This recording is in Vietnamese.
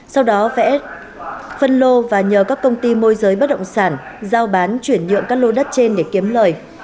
sau đó vẽ phân lô và nhờ các công ty môi giới bất động sản giao bán chuyển nhượng các lô đất trên để kiếm lời